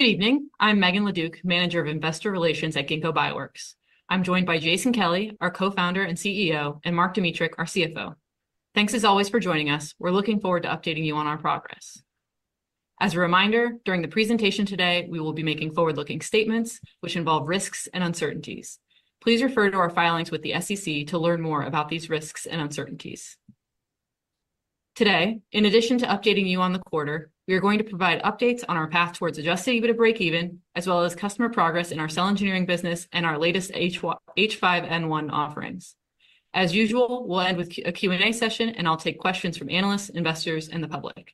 Good evening. I'm Megan LeDuc, Manager of Investor Relations at Ginkgo Bioworks. I'm joined by Jason Kelly, our Co-Founder and CEO, and Mark Dmytruk, our CFO. Thanks, as always, for joining us. We're looking forward to updating you on our progress. As a reminder, during the presentation today, we will be making forward-looking statements which involve risks and uncertainties. Please refer to our filings with the SEC to learn more about these risks and uncertainties. Today, in addition to updating you on the quarter, we are going to provide updates on our path towards adjusting to break-even, as well as customer progress in our cell engineering business and our latest H5N1 offerings. As usual, we'll end with a Q&A session, and I'll take questions from analysts, investors, and the public.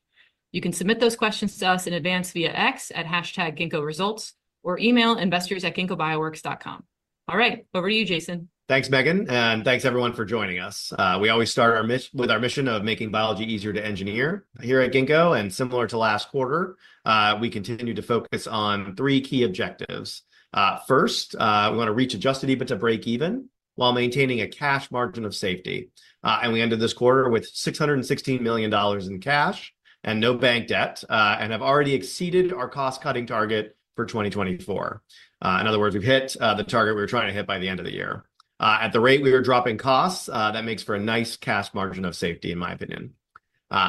You can submit those questions to us in advance via X at #GinkgoResults or email investors@ginkgobioworks.com. All right, over to you, Jason. Thanks, Megan, and thanks, everyone, for joining us. We always start our mission with our mission of making biology easier to engineer here at Ginkgo, and similar to last quarter, we continue to focus on three key objectives. First, we want to reach Adjusted EBITDA break-even while maintaining a cash margin of safety, and we ended this quarter with $616 million in cash and no bank debt and have already exceeded our cost-cutting target for 2024. In other words, we've hit the target we were trying to hit by the end of the year. At the rate we were dropping costs, that makes for a nice cash margin of safety, in my opinion.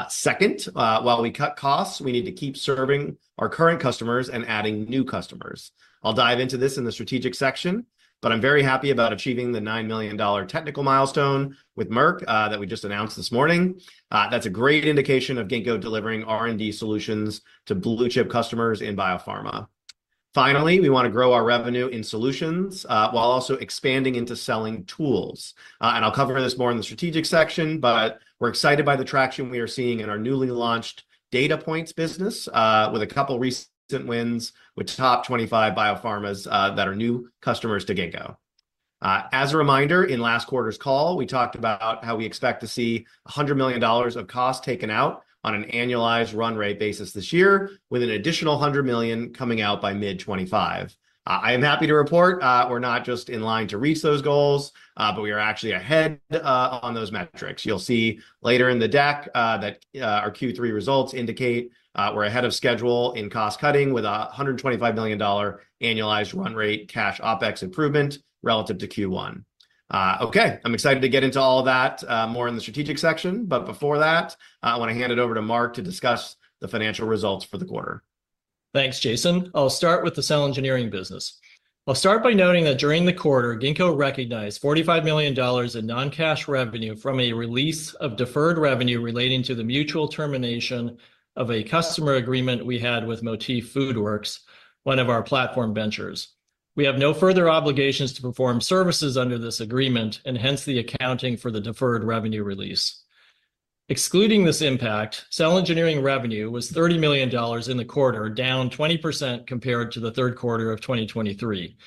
Second, while we cut costs, we need to keep serving our current customers and adding new customers. I'll dive into this in the strategic section, but I'm very happy about achieving the $9 million technical milestone with Merck that we just announced this morning. That's a great indication of Ginkgo delivering R&D solutions to blue-chip customers in biopharma. Finally, we want to grow our revenue in solutions while also expanding into selling tools. And I'll cover this more in the strategic section, but we're excited by the traction we are seeing in our newly launched Data Points business with a couple of recent wins with top 25 biopharmas that are new customers to Ginkgo. As a reminder, in last quarter's call, we talked about how we expect to see $100 million of costs taken out on an annualized run rate basis this year, with an additional $100 million coming out by mid-2025. I am happy to report we're not just in line to reach those goals, but we are actually ahead on those metrics. You'll see later in the deck that our Q3 results indicate we're ahead of schedule in cost cutting with a $125 million annualized run rate cash OpEx improvement relative to Q1. Okay, I'm excited to get into all of that more in the strategic section, but before that, I want to hand it over to Mark to discuss the financial results for the quarter. Thanks, Jason. I'll start with the cell engineering business. I'll start by noting that during the quarter, Ginkgo recognized $45 million in non-cash revenue from a release of deferred revenue relating to the mutual termination of a customer agreement we had with Motif Foodworks, one of our platform ventures. We have no further obligations to perform services under this agreement, and hence the accounting for the deferred revenue release. Excluding this impact, cell engineering revenue was $30 million in the quarter, down 20% compared to the third quarter of 2023.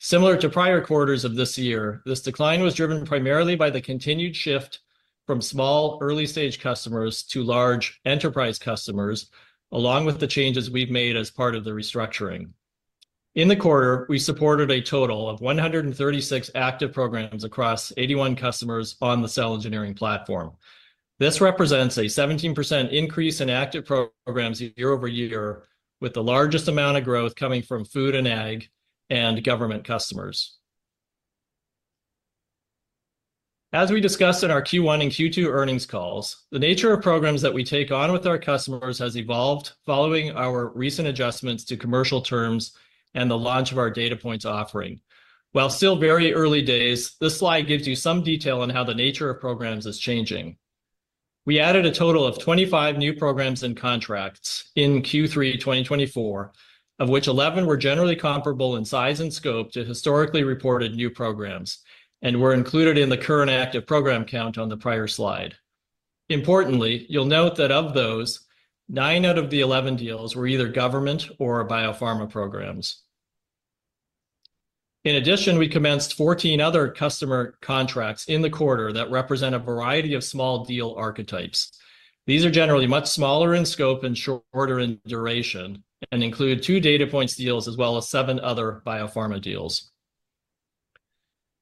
Similar to prior quarters of this year, this decline was driven primarily by the continued shift from small early-stage customers to large enterprise customers, along with the changes we've made as part of the restructuring. In the quarter, we supported a total of 136 active programs across 81 customers on the cell engineering platform. This represents a 17% increase in active programs year over year, with the largest amount of growth coming from food and ag and government customers. As we discussed in our Q1 and Q2 earnings calls, the nature of programs that we take on with our customers has evolved following our recent adjustments to commercial terms and the launch of ourData Points offering. While still very early days, this slide gives you some detail on how the nature of programs is changing. We added a total of 25 new programs and contracts in Q3 2024, of which 11 were generally comparable in size and scope to historically reported new programs, and were included in the current active program count on the prior slide. Importantly, you'll note that of those, nine out of the 11 deals were either government or biopharma programs. In addition, we commenced 14 other customer contracts in the quarter that represent a variety of small deal archetypes. These are generally much smaller in scope and shorter in duration and include two Data Points deals as well as seven other biopharma deals.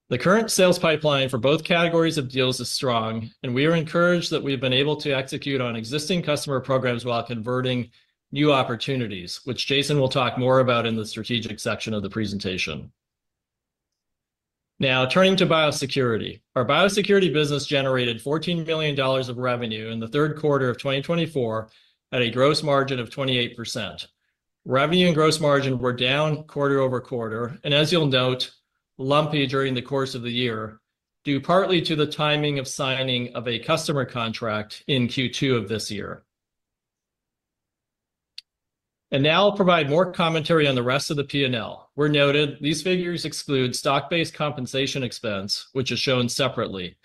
The current sales pipeline for both categories of deals is strong, and we are encouraged that we've been able to execute on existing customer programs while converting new opportunities, which Jason will talk more about in the strategic section of the presentation. Now, turning to biosecurity, our biosecurity business generated $14 million of revenue in the third quarter of 2024 at a gross margin of 28%. Revenue and gross margin were down quarter over quarter, and as you'll note, lumpy during the course of the year due partly to the timing of signing of a customer contract in Q2 of this year. Now I'll provide more commentary on the rest of the P&L. We've noted these figures exclude stock-based compensation expense, which is shown separately,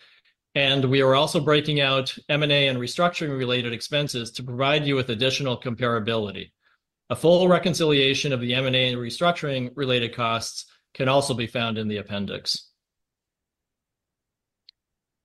and we are also breaking out M&A and restructuring-related expenses to provide you with additional comparability. A full reconciliation of the M&A and restructuring-related costs can also be found in the appendix.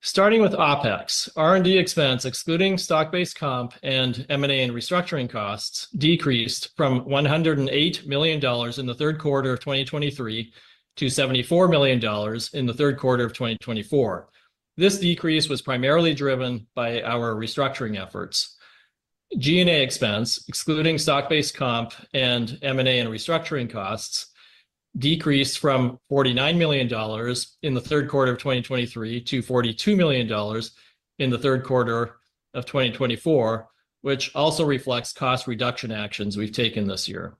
Starting with OpEx, R&D expense excluding stock-based comp and M&A and restructuring costs decreased from $108 million in the third quarter of 2023 to $74 million in the third quarter of 2024. This decrease was primarily driven by our restructuring efforts. G&A expense excluding stock-based comp and M&A and restructuring costs decreased from $49 million in the third quarter of 2023 to $42 million in the third quarter of 2024, which also reflects cost reduction actions we've taken this year.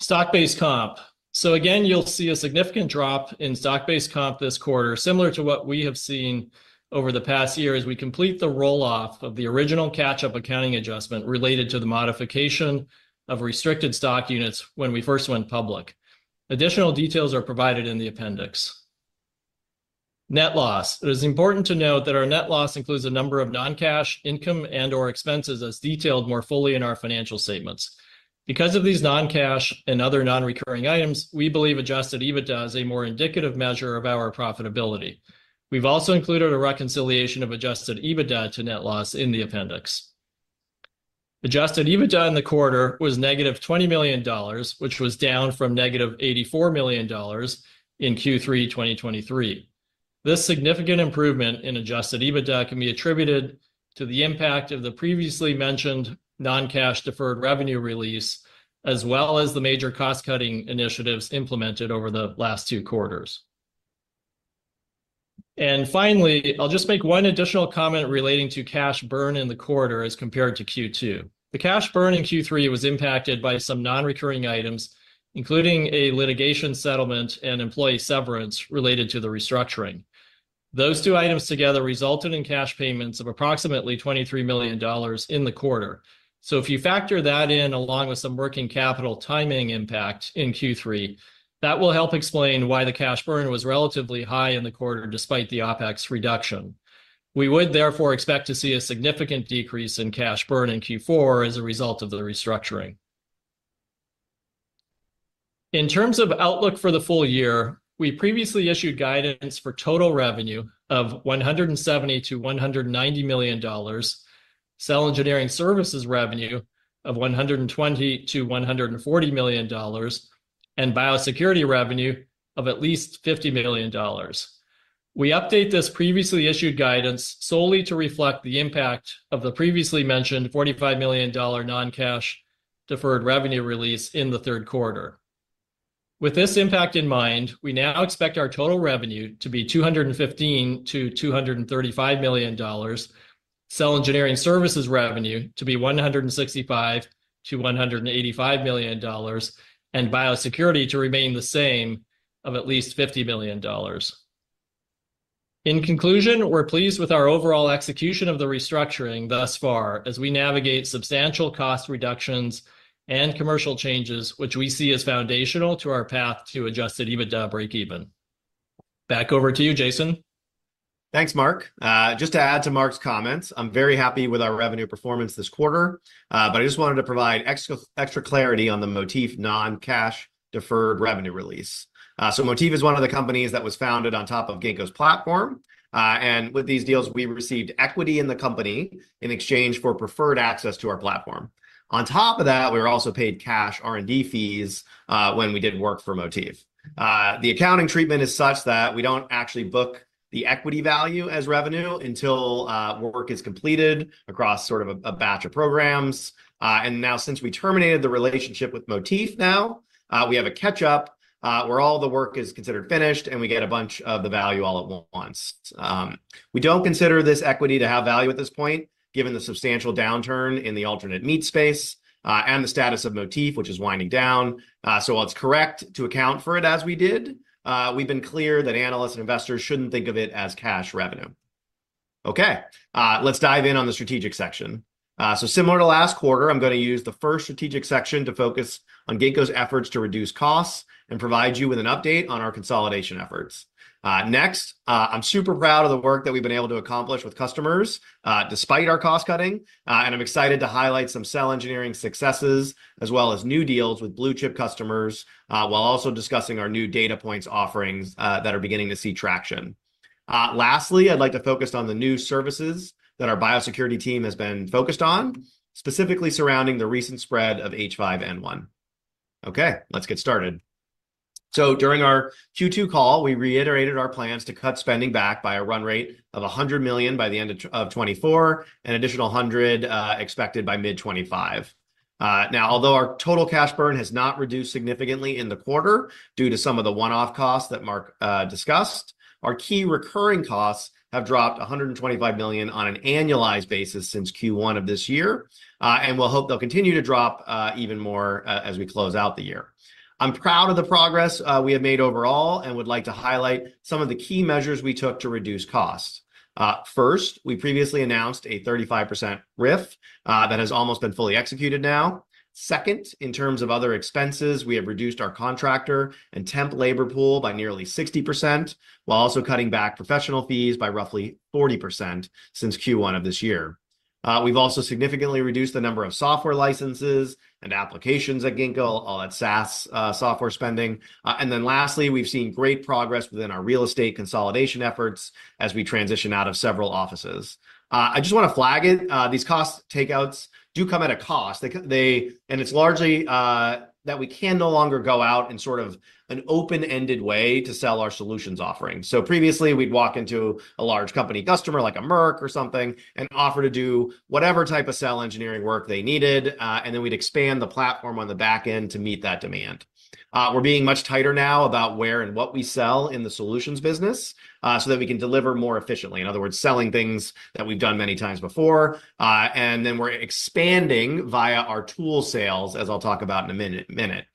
Stock-based comp. So again, you'll see a significant drop in stock-based comp this quarter, similar to what we have seen over the past year as we complete the roll-off of the original catch-up accounting adjustment related to the modification of restricted stock units when we first went public. Additional details are provided in the appendix. Net loss. It is important to note that our net loss includes a number of non-cash income and/or expenses as detailed more fully in our financial statements. Because of these non-cash and other non-recurring items, we believe Adjusted EBITDA is a more indicative measure of our profitability. We've also included a reconciliation of Adjusted EBITDA to net loss in the appendix. Adjusted EBITDA in the quarter was negative $20 million, which was down from negative $84 million in Q3 2023. This significant improvement in adjusted EBITDA can be attributed to the impact of the previously mentioned non-cash deferred revenue release, as well as the major cost-cutting initiatives implemented over the last two quarters. And finally, I'll just make one additional comment relating to cash burn in the quarter as compared to Q2. The cash burn in Q3 was impacted by some non-recurring items, including a litigation settlement and employee severance related to the restructuring. Those two items together resulted in cash payments of approximately $23 million in the quarter. So if you factor that in along with some working capital timing impact in Q3, that will help explain why the cash burn was relatively high in the quarter despite the OpEx reduction. We would therefore expect to see a significant decrease in cash burn in Q4 as a result of the restructuring. In terms of outlook for the full year, we previously issued guidance for total revenue of $170-$190 million, cell engineering services revenue of $120-$140 million, and biosecurity revenue of at least $50 million. We update this previously issued guidance solely to reflect the impact of the previously mentioned $45 million non-cash deferred revenue release in the third quarter. With this impact in mind, we now expect our total revenue to be $215-$235 million, cell engineering services revenue to be $165-$185 million, and biosecurity to remain the same of at least $50 million. In conclusion, we're pleased with our overall execution of the restructuring thus far as we navigate substantial cost reductions and commercial changes, which we see as foundational to our path to adjusted EBITDA break-even. Back over to you, Jason. Thanks, Mark. Just to add to Mark's comments, I'm very happy with our revenue performance this quarter, but I just wanted to provide extra clarity on the Motif non-cash deferred revenue release. So Motif is one of the companies that was founded on top of Ginkgo's platform, and with these deals, we received equity in the company in exchange for preferred access to our platform. On top of that, we were also paid cash R&D fees when we did work for Motif. The accounting treatment is such that we don't actually book the equity value as revenue until work is completed across sort of a batch of programs. And now, since we terminated the relationship with Motif, now we have a catch-up where all the work is considered finished and we get a bunch of the value all at once. We don't consider this equity to have value at this point, given the substantial downturn in the alternate meat space and the status of Motif, which is winding down. So while it's correct to account for it as we did, we've been clear that analysts and investors shouldn't think of it as cash revenue. Okay, let's dive in on the strategic section. So similar to last quarter, I'm going to use the first strategic section to focus on Ginkgo's efforts to reduce costs and provide you with an update on our consolidation efforts. Next, I'm super proud of the work that we've been able to accomplish with customers despite our cost cutting, and I'm excited to highlight some cell engineering successes as well as new deals with blue-chip customers while also discussing our new Data Points offerings that are beginning to see traction. Lastly, I'd like to focus on the new services that our biosecurity team has been focused on, specifically surrounding the recent spread of H5N1. Okay, let's get started. So during our Q2 call, we reiterated our plans to cut spending back by a run rate of $100 million by the end of 2024 and an additional $100 million expected by mid-2025. Now, although our total cash burn has not reduced significantly in the quarter due to some of the one-off costs that Mark discussed, our key recurring costs have dropped $125 million on an annualized basis since Q1 of this year, and we'll hope they'll continue to drop even more as we close out the year. I'm proud of the progress we have made overall and would like to highlight some of the key measures we took to reduce costs. First, we previously announced a 35% RIF that has almost been fully executed now. Second, in terms of other expenses, we have reduced our contractor and temp labor pool by nearly 60% while also cutting back professional fees by roughly 40% since Q1 of this year. We've also significantly reduced the number of software licenses and applications at Ginkgo, all that SaaS software spending. And then lastly, we've seen great progress within our real estate consolidation efforts as we transition out of several offices. I just want to flag it. These cost takeouts do come at a cost, and it's largely that we can no longer go out in sort of an open-ended way to sell our solutions offering. So previously, we'd walk into a large company customer like a Merck or something and offer to do whatever type of cell engineering work they needed, and then we'd expand the platform on the back end to meet that demand. We're being much tighter now about where and what we sell in the solutions business so that we can deliver more efficiently. In other words, selling things that we've done many times before, and then we're expanding via our tool sales, as I'll talk about in a minute.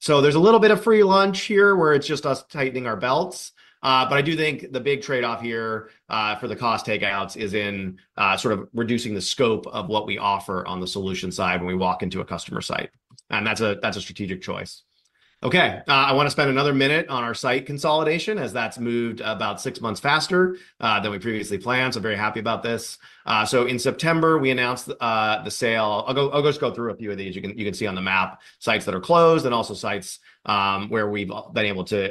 So there's a little bit of free lunch here where it's just us tightening our belts, but I do think the big trade-off here for the cost takeouts is in sort of reducing the scope of what we offer on the solution side when we walk into a customer site. And that's a strategic choice. Okay, I want to spend another minute on our site consolidation as that's moved about six months faster than we previously planned, so I'm very happy about this. In September, we announced the sale. I'll just go through a few of these. You can see on the map sites that are closed and also sites where we've been able to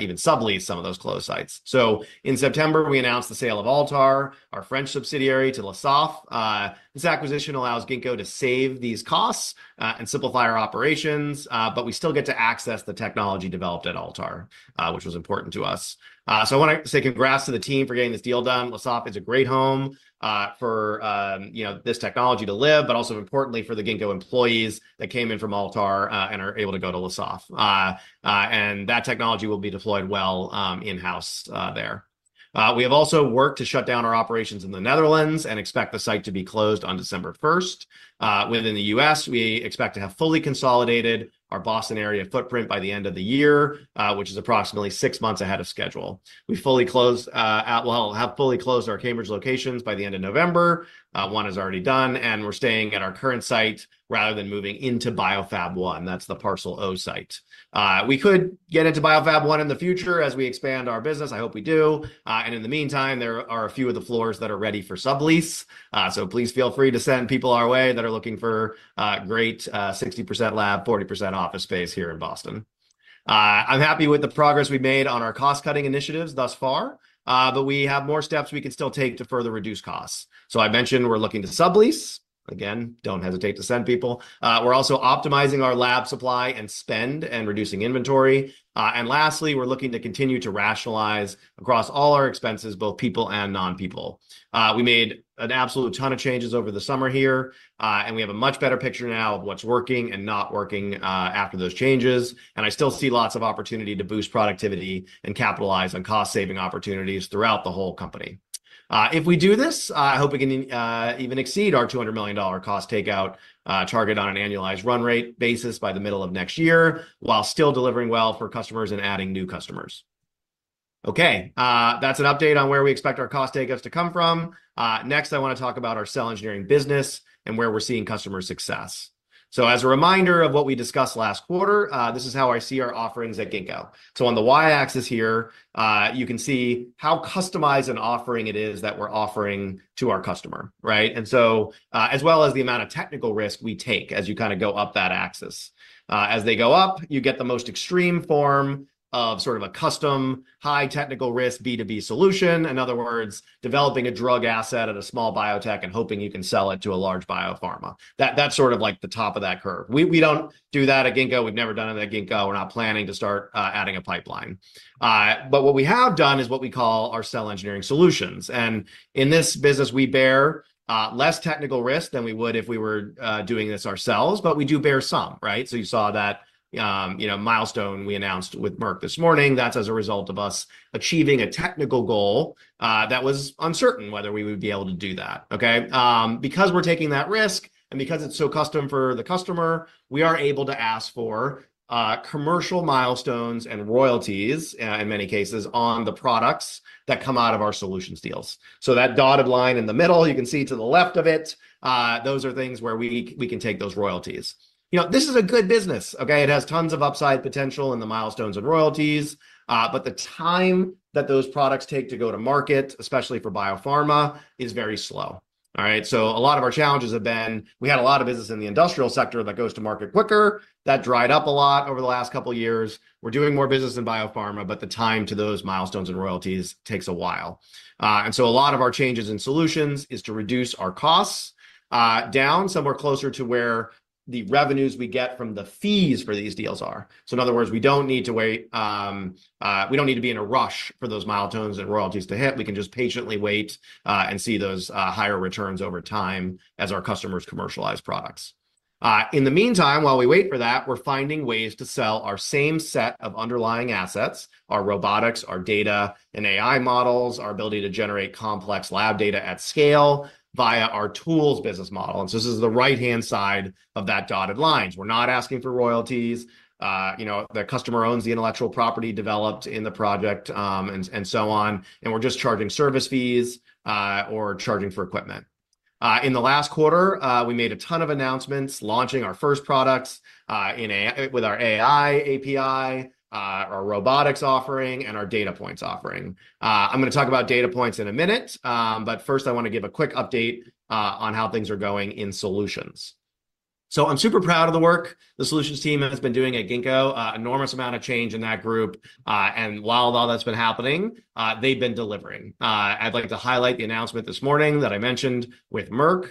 even sublease some of those closed sites. In September, we announced the sale of Altar, our French subsidiary, to Lesaffre. This acquisition allows Ginkgo to save these costs and simplify our operations, but we still get to access the technology developed at Altar, which was important to us. I want to say congrats to the team for getting this deal done. Lesaffre is a great home for this technology to live, but also importantly for the Ginkgo employees that came in from Altar and are able to go to Lesaffre, and that technology will be deployed well in-house there. We have also worked to shut down our operations in the Netherlands and expect the site to be closed on December 1st. Within the U.S., we expect to have fully consolidated our Boston area footprint by the end of the year, which is approximately six months ahead of schedule. We fully closed out, well, have fully closed our Cambridge locations by the end of November. One is already done, and we're staying at our current site rather than moving into BioFab1. That's the Parcel O site. We could get into BioFab1 in the future as we expand our business. I hope we do. In the meantime, there are a few of the floors that are ready for sublease. Please feel free to send people our way that are looking for great 60% lab, 40% office space here in Boston. I'm happy with the progress we've made on our cost-cutting initiatives thus far, but we have more steps we can still take to further reduce costs. I mentioned we're looking to sublease. Again, don't hesitate to send people. We're also optimizing our lab supply and spend and reducing inventory. Lastly, we're looking to continue to rationalize across all our expenses, both people and non-people. We made an absolute ton of changes over the summer here, and we have a much better picture now of what's working and not working after those changes. And I still see lots of opportunity to boost productivity and capitalize on cost-saving opportunities throughout the whole company. If we do this, I hope we can even exceed our $200 million cost takeout target on an annualized run rate basis by the middle of next year while still delivering well for customers and adding new customers. Okay, that's an update on where we expect our cost takeouts to come from. Next, I want to talk about our cell engineering business and where we're seeing customer success. So as a reminder of what we discussed last quarter, this is how I see our offerings at Ginkgo. So on the Y-axis here, you can see how customized an offering it is that we're offering to our customer, right? And so as well as the amount of technical risk we take as you kind of go up that axis. As they go up, you get the most extreme form of sort of a custom high technical risk B2B solution. In other words, developing a drug asset at a small biotech and hoping you can sell it to a large biopharma. That's sort of like the top of that curve. We don't do that at Ginkgo. We've never done it at Ginkgo. We're not planning to start adding a pipeline. But what we have done is what we call our cell engineering solutions. And in this business, we bear less technical risk than we would if we were doing this ourselves, but we do bear some, right? So you saw that milestone we announced with Merck this morning. That's as a result of us achieving a technical goal that was uncertain whether we would be able to do that, okay? Because we're taking that risk and because it's so custom for the customer, we are able to ask for commercial milestones and royalties in many cases on the products that come out of our solutions deals. So that dotted line in the middle, you can see to the left of it, those are things where we can take those royalties. This is a good business, okay? It has tons of upside potential in the milestones and royalties, but the time that those products take to go to market, especially for biopharma, is very slow, all right? So a lot of our challenges have been we had a lot of business in the industrial sector that goes to market quicker. That dried up a lot over the last couple of years. We're doing more business in biopharma, but the time to those milestones and royalties takes a while. And so a lot of our changes in solutions is to reduce our costs down somewhere closer to where the revenues we get from the fees for these deals are. So in other words, we don't need to wait. We don't need to be in a rush for those milestones and royalties to hit. We can just patiently wait and see those higher returns over time as our customers commercialize products. In the meantime, while we wait for that, we're finding ways to sell our same set of underlying assets: our robotics, our data and AI models, our ability to generate complex lab data at scale via our tools business model. And so this is the right-hand side of that dotted line. We're not asking for royalties. The customer owns the intellectual property developed in the project and so on, and we're just charging service fees or charging for equipment. In the last quarter, we made a ton of announcements launching our first products with our AI API, our robotics offering, and our Data Points offering. I'm going to talk about Data Points in a minute, but first, I want to give a quick update on how things are going in solutions. So I'm super proud of the work the solutions team has been doing at Ginkgo. Enormous amount of change in that group. And while all that's been happening, they've been delivering. I'd like to highlight the announcement this morning that I mentioned with Merck.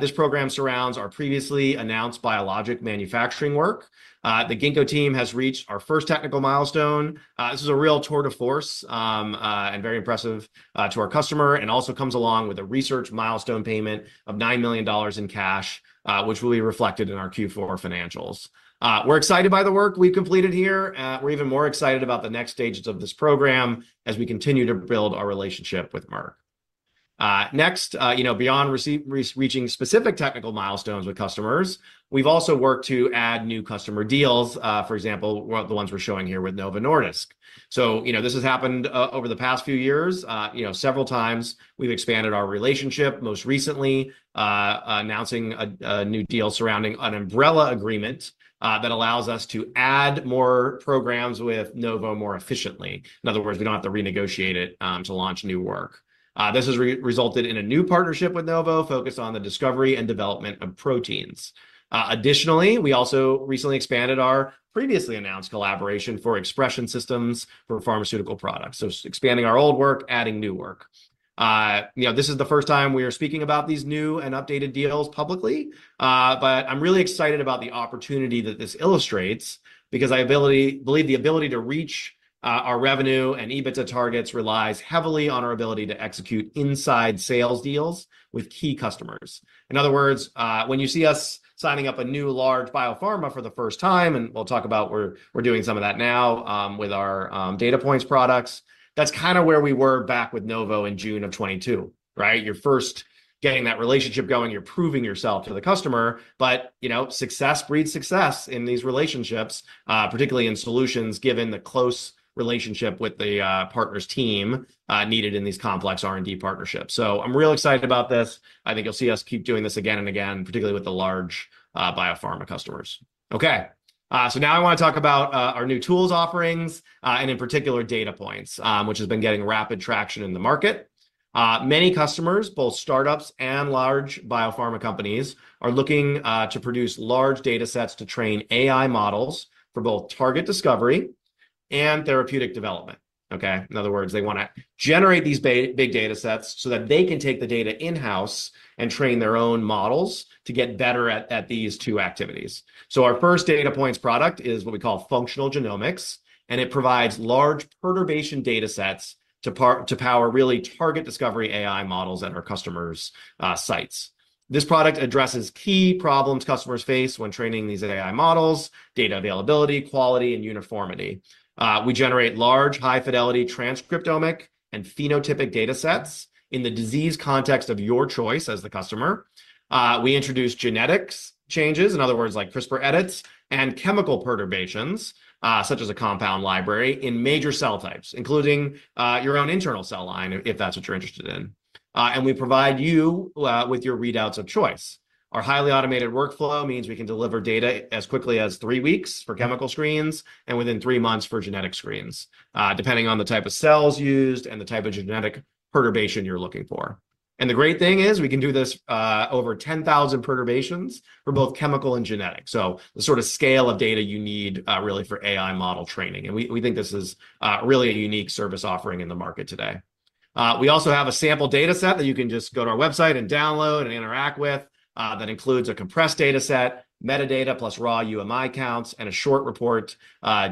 This program surrounds our previously announced biologic manufacturing work. The Ginkgo team has reached our first technical milestone. This is a real tour de force and very impressive to our customer and also comes along with a research milestone payment of $9 million in cash, which will be reflected in our Q4 financials. We're excited by the work we've completed here. We're even more excited about the next stages of this program as we continue to build our relationship with Merck. Next, beyond reaching specific technical milestones with customers, we've also worked to add new customer deals, for example, the ones we're showing here with Novo Nordisk. So this has happened over the past few years. Several times, we've expanded our relationship, most recently announcing a new deal surrounding an umbrella agreement that allows us to add more programs with Novo more efficiently. In other words, we don't have to renegotiate it to launch new work. This has resulted in a new partnership with Novo focused on the discovery and development of proteins. Additionally, we also recently expanded our previously announced collaboration for expression systems for pharmaceutical products. So expanding our old work, adding new work. This is the first time we are speaking about these new and updated deals publicly, but I'm really excited about the opportunity that this illustrates because I believe the ability to reach our revenue and EBITDA targets relies heavily on our ability to execute inside sales deals with key customers. In other words, when you see us signing up a new large biopharma for the first time, and we'll talk about we're doing some of that now with our Data Points products, that's kind of where we were back with Nova in June of 2022, right? You're first getting that relationship going. You're proving yourself to the customer, but success breeds success in these relationships, particularly in solutions given the close relationship with the partner's team needed in these complex R&D partnerships. So I'm real excited about this. I think you'll see us keep doing this again and again, particularly with the large biopharma customers. Okay. So now I want to talk about our new tools offerings and in particular Data Points, which has been getting rapid traction in the market. Many customers, both startups and large biopharma companies, are looking to produce large data sets to train AI models for both target discovery and therapeutic development, okay? In other words, they want to generate these big data sets so that they can take the data in-house and train their own models to get better at these two activities. So our first Data Points product is what we call Functional Genomics, and it provides large perturbation data sets to power really target discovery AI models at our customers' sites. This product addresses key problems customers face when training these AI models: data availability, quality, and uniformity. We generate large, high-fidelity transcriptomic and phenotypic data sets in the disease context of your choice as the customer. We introduce genetic changes, in other words, like CRISPR edits, and chemical perturbations such as a compound library in major cell types, including your own internal cell line, if that's what you're interested in. And we provide you with your readouts of choice. Our highly automated workflow means we can deliver data as quickly as three weeks for chemical screens and within three months for genetic screens, depending on the type of cells used and the type of genetic perturbation you're looking for. And the great thing is we can do this over 10,000 perturbations for both chemical and genetic. So the sort of scale of data you need really for AI model training. And we think this is really a unique service offering in the market today. We also have a sample data set that you can just go to our website and download and interact with that includes a compressed data set, metadata plus raw UMI counts, and a short report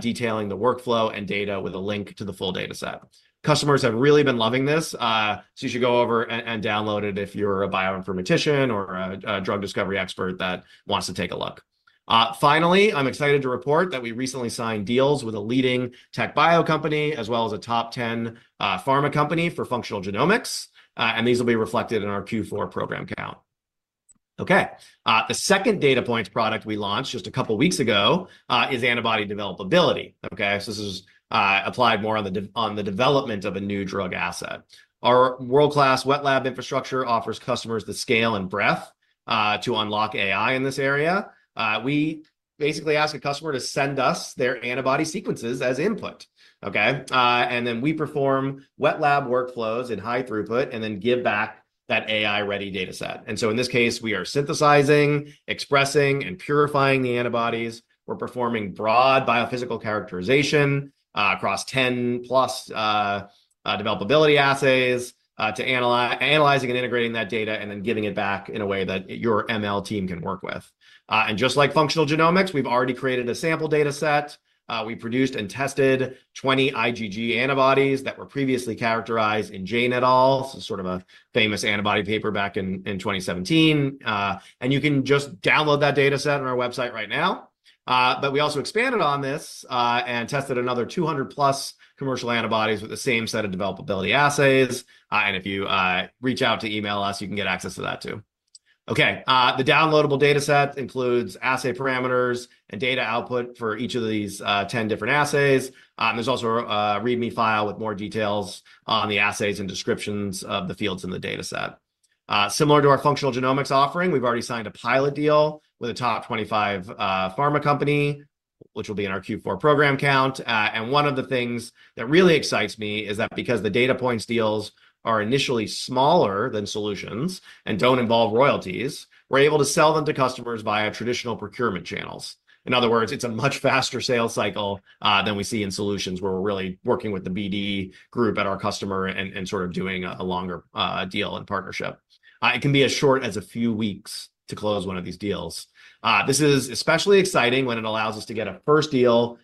detailing the workflow and data with a link to the full data set. Customers have really been loving this, so you should go over and download it if you're a bioinformatician or a drug discovery expert that wants to take a look. Finally, I'm excited to report that we recently signed deals with a leading TechBio company as well as a top 10 pharma company for functional genomics, and these will be reflected in our Q4 program count. Okay. The second Data Points product we launched just a couple of weeks ago is antibody developability, okay? So this is applied more on the development of a new drug asset. Our world-class wet lab infrastructure offers customers the scale and breadth to unlock AI in this area. We basically ask a customer to send us their antibody sequences as input, okay, and then we perform wet lab workflows in high throughput and then give back that AI-ready data set, and so in this case, we are synthesizing, expressing, and purifying the antibodies. We're performing broad biophysical characterization across 10-plus developability assays to analyze and integrate that data and then giving it back in a way that your ML team can work with, and just like functional genomics, we've already created a sample data set. We produced and tested 20 IgG antibodies that were previously characterized in Jain et al., so sort of a famous antibody paper back in 2017, and you can just download that data set on our website right now. But we also expanded on this and tested another 200-plus commercial antibodies with the same set of developability assays. And if you reach out to email us, you can get access to that too. Okay. The downloadable data set includes assay parameters and data output for each of these 10 different assays. There's also a README file with more details on the assays and descriptions of the fields in the data set. Similar to our functional genomics offering, we've already signed a pilot deal with a top 25 pharma company, which will be in our Q4 program count. And one of the things that really excites me is that because the Data Points deals are initially smaller than solutions and don't involve royalties, we're able to sell them to customers via traditional procurement channels. In other words, it's a much faster sales cycle than we see in solutions where we're really working with the BD group at our customer and sort of doing a longer deal and partnership. It can be as short as a few weeks to close one of these deals. This is especially exciting when it allows us to get a first deal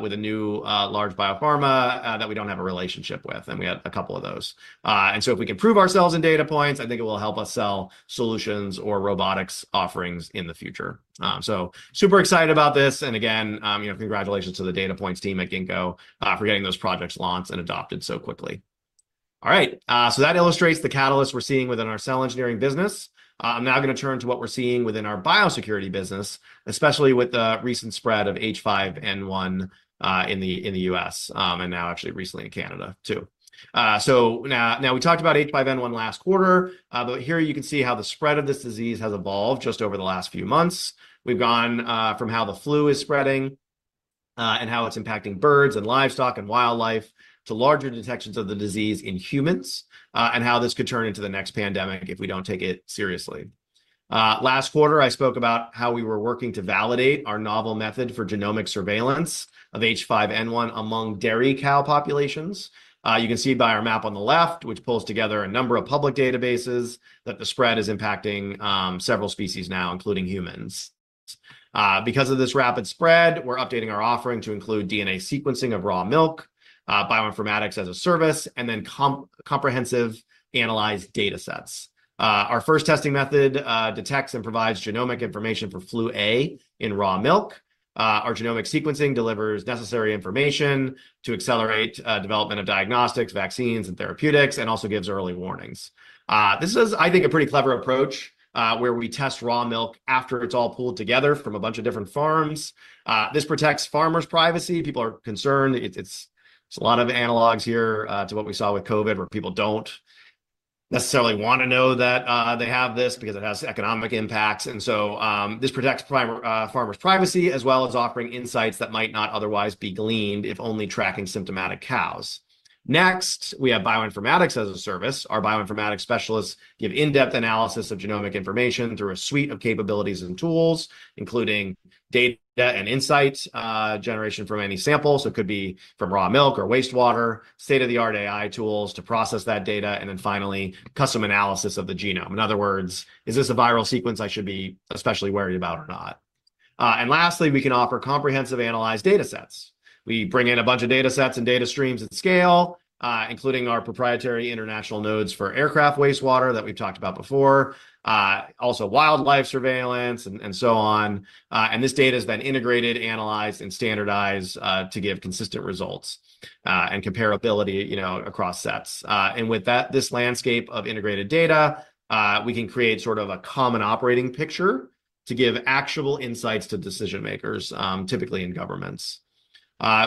with a new large biopharma that we don't have a relationship with, and we had a couple of those. And so if we can prove ourselves in Data Points, I think it will help us sell solutions or robotics offerings in the future. So super excited about this. And again, congratulations to the Data Points team at Ginkgo for getting those projects launched and adopted so quickly. All right. So that illustrates the catalysts we're seeing within our cell engineering business. I'm now going to turn to what we're seeing within our biosecurity business, especially with the recent spread of H5N1 in the U.S. and now actually recently in Canada too, so now we talked about H5N1 last quarter, but here you can see how the spread of this disease has evolved just over the last few months. We've gone from how the flu is spreading and how it's impacting birds and livestock and wildlife to larger detections of the disease in humans and how this could turn into the next pandemic if we don't take it seriously. Last quarter, I spoke about how we were working to validate our novel method for genomic surveillance of H5N1 among dairy cow populations. You can see by our map on the left, which pulls together a number of public databases that the spread is impacting several species now, including humans. Because of this rapid spread, we're updating our offering to include DNA sequencing of raw milk, Bioinformatics as a Service, and then comprehensive analyzed data sets. Our first testing method detects and provides genomic information for Flu A in raw milk. Our genomic sequencing delivers necessary information to accelerate development of diagnostics, vaccines, and therapeutics, and also gives early warnings. This is, I think, a pretty clever approach where we test raw milk after it's all pulled together from a bunch of different farms. This protects farmers' privacy. People are concerned. It's a lot of analogs here to what we saw with COVID, where people don't necessarily want to know that they have this because it has economic impacts, and so this protects farmers' privacy as well as offering insights that might not otherwise be gleaned if only tracking symptomatic cows. Next, we have Bioinformatics as a Service. Our bioinformatics specialists give in-depth analysis of genomic information through a suite of capabilities and tools, including data and insight generation from any sample. So it could be from raw milk or wastewater, state-of-the-art AI tools to process that data, and then finally, custom analysis of the genome. In other words, is this a viral sequence I should be especially worried about or not? And lastly, we can offer comprehensive analyzed data sets. We bring in a bunch of data sets and data streams at scale, including our proprietary international nodes for aircraft wastewater that we've talked about before, also wildlife surveillance and so on. And this data is then integrated, analyzed, and standardized to give consistent results and comparability across sets. And with this landscape of integrated data, we can create sort of a common operating picture to give actual insights to decision-makers, typically in governments.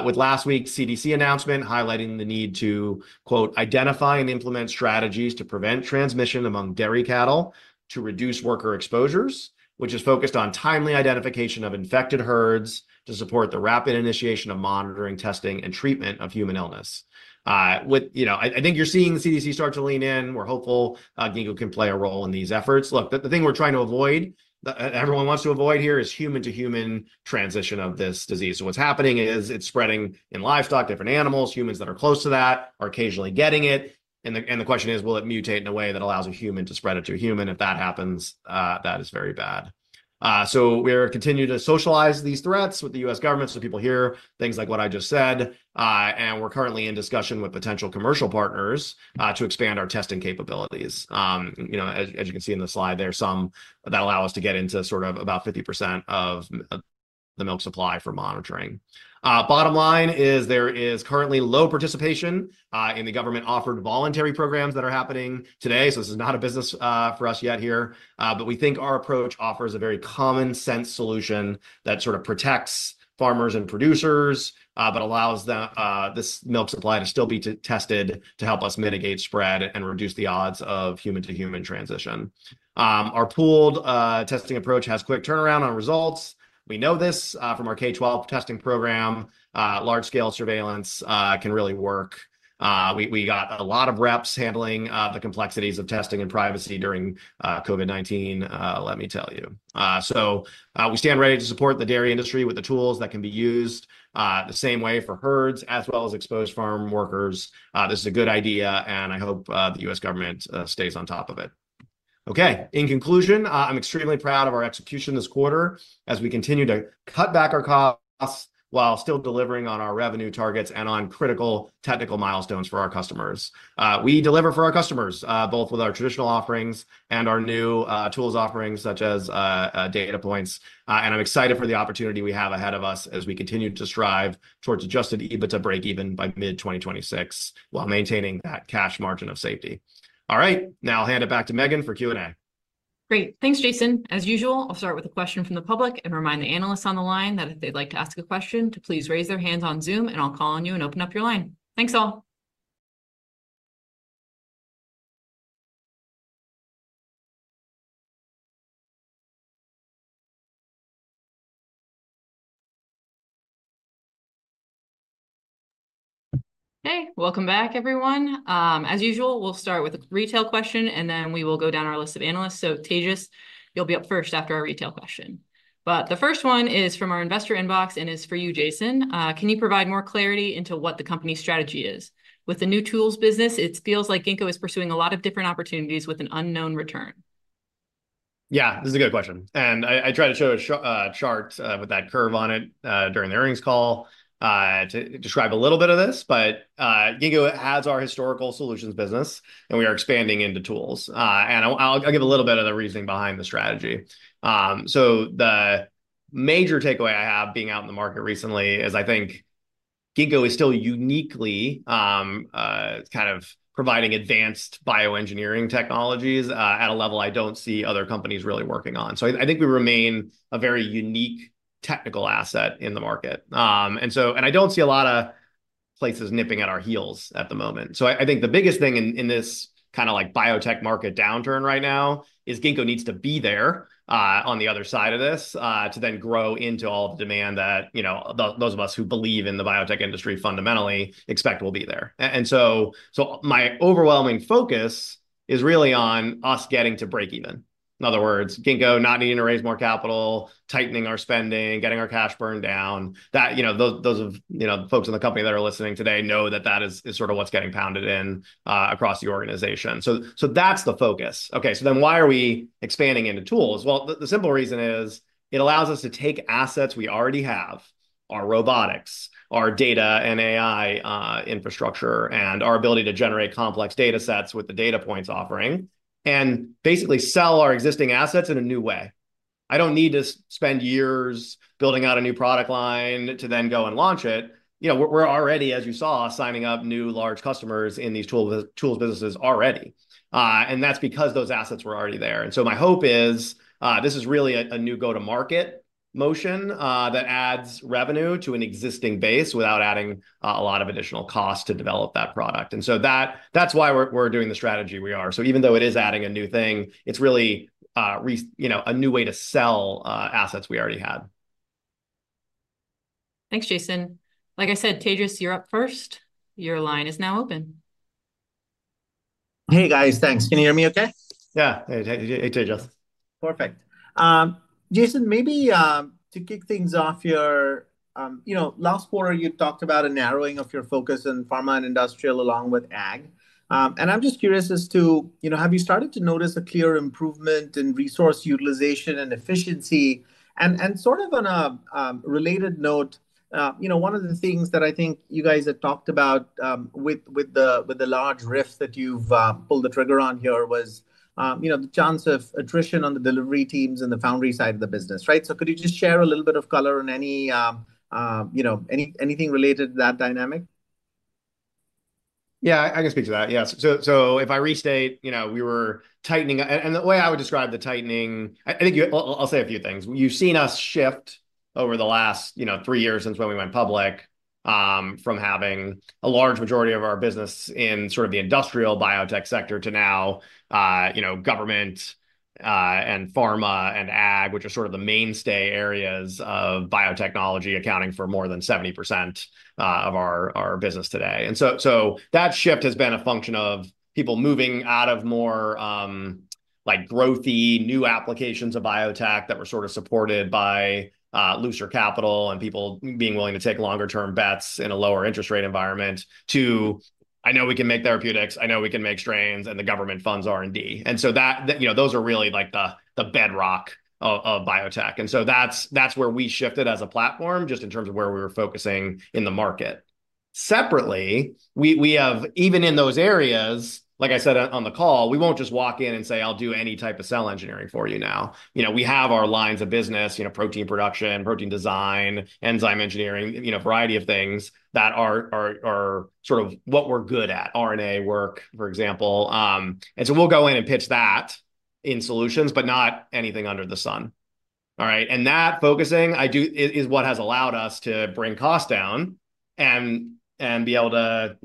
With last week's CDC announcement highlighting the need to, quote, "Identify and implement strategies to prevent transmission among dairy cattle to reduce worker exposures," which is focused on timely identification of infected herds to support the rapid initiation of monitoring, testing, and treatment of human illness. I think you're seeing the CDC start to lean in. We're hopeful Ginkgo can play a role in these efforts. Look, the thing we're trying to avoid, everyone wants to avoid here, is human-to-human transmission of this disease. So what's happening is it's spreading in livestock, different animals. Humans that are close to that are occasionally getting it. And the question is, will it mutate in a way that allows a human to spread it to a human? If that happens, that is very bad. So we are continuing to socialize these threats with the U.S. government. People hear things like what I just said, and we're currently in discussion with potential commercial partners to expand our testing capabilities. As you can see in the slide, there are some that allow us to get into sort of about 50% of the milk supply for monitoring. Bottom line is there is currently low participation in the government-offered voluntary programs that are happening today. This is not a business for us yet here, but we think our approach offers a very common-sense solution that sort of protects farmers and producers but allows this milk supply to still be tested to help us mitigate spread and reduce the odds of human-to-human transition. Our pooled testing approach has quick turnaround on results. We know this from our K-12 testing program. Large-scale surveillance can really work. We got a lot of reps handling the complexities of testing and privacy during COVID-19, let me tell you. So we stand ready to support the dairy industry with the tools that can be used the same way for herds as well as exposed farm workers. This is a good idea, and I hope the U.S. government stays on top of it. Okay. In conclusion, I'm extremely proud of our execution this quarter as we continue to cut back our costs while still delivering on our revenue targets and on critical technical milestones for our customers. We deliver for our customers, both with our traditional offerings and our new tools offerings, such as Data Points. And I'm excited for the opportunity we have ahead of us as we continue to strive towards Adjusted EBITDA break-even by mid-2026 while maintaining that Cash Margin of Safety. All right. Now I'll hand it back to Megan for Q&A. Great. Thanks, Jason. As usual, I'll start with a question from the public and remind the analysts on the line that if they'd like to ask a question, to please raise their hands on Zoom, and I'll call on you and open up your line. Thanks, all. Okay. Welcome back, everyone. As usual, we'll start with a retail question, and then we will go down our list of analysts. So Tejas, you'll be up first after our retail question. But the first one is from our investor inbox and is for you, Jason. Can you provide more clarity into what the company's strategy is? With the new tools business, it feels like Ginkgo is pursuing a lot of different opportunities with an unknown return. Yeah, this is a good question. And I tried to show a chart with that curve on it during the earnings call to describe a little bit of this, but Ginkgo has our historical solutions business, and we are expanding into tools. And I'll give a little bit of the reasoning behind the strategy. So the major takeaway I have being out in the market recently is I think Ginkgo is still uniquely kind of providing advanced bioengineering technologies at a level I don't see other companies really working on. So I think we remain a very unique technical asset in the market. And I don't see a lot of places nipping at our heels at the moment. So, I think the biggest thing in this kind of biotech market downturn right now is Ginkgo needs to be there on the other side of this to then grow into all the demand that those of us who believe in the biotech industry fundamentally expect will be there. And so my overwhelming focus is really on us getting to break even. In other words, Ginkgo not needing to raise more capital, tightening our spending, getting our cash burned down. Those of the folks in the company that are listening today know that that is sort of what's getting pounded in across the organization. So that's the focus. Okay. So then why are we expanding into tools? The simple reason is it allows us to take assets we already have, our robotics, our data and AI infrastructure, and our ability to generate complex data sets with the Data Points offering, and basically sell our existing assets in a new way. I don't need to spend years building out a new product line to then go and launch it. We're already, as you saw, signing up new large customers in these tools businesses already, and that's because those assets were already there, and so my hope is this is really a new go-to-market motion that adds revenue to an existing base without adding a lot of additional cost to develop that product, and so that's why we're doing the strategy we are, so even though it is adding a new thing, it's really a new way to sell assets we already had. Thanks, Jason. Like I said, Tejas, you're up first. Your line is now open. Hey, guys. Thanks. Can you hear me okay? Yeah. Hey, Tejas Perfect. Jason, maybe to kick things off here, last quarter, you talked about a narrowing of your focus in pharma and industrial along with ag. And I'm just curious as to, have you started to notice a clear improvement in resource utilization and efficiency? And sort of on a related note, one of the things that I think you guys had talked about with the large RIF that you've pulled the trigger on here was the chance of attrition on the delivery teams and the foundry side of the business, right? So could you just share a little bit of color on anything related to that dynamic? Yeah, I can speak to that. Yeah. So if I restate, we were tightening. The way I would describe the tightening, I think I'll say a few things. You've seen us shift over the last three years since when we went public from having a large majority of our business in sort of the industrial biotech sector to now government and pharma and ag, which are sort of the mainstay areas of biotechnology, accounting for more than 70% of our business today. So that shift has been a function of people moving out of more growthy new applications of biotech that were sort of supported by looser capital and people being willing to take longer-term bets in a lower interest rate environment to, "I know we can make therapeutics. I know we can make strains, and the government funds R&D." So those are really the bedrock of biotech. And so that's where we shifted as a platform just in terms of where we were focusing in the market. Separately, even in those areas, like I said on the call, we won't just walk in and say, "I'll do any type of cell engineering for you now." We have our lines of business: protein production, protein design, enzyme engineering, a variety of things that are sort of what we're good at: RNA work, for example. And so we'll go in and pitch that in solutions, but not anything under the sun. All right? And that focusing is what has allowed us to bring costs down and be able to